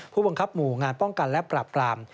ผู้บังคับหมู่งานป้องกันและปราบปราม